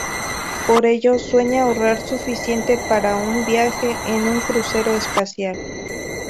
Por ello, sueña ahorrar suficiente para un viaje en un crucero espacial.